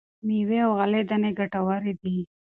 مېوې او غلې دانې ګټورې دي.